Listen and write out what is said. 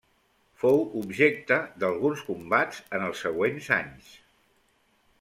Fou objecte d'alguns combats en els següents anys.